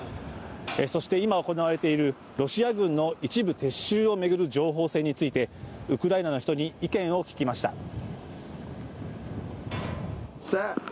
そして、今行われているロシア軍の一部撤収を巡る情報戦についてウクライナの人に意見を聞きました。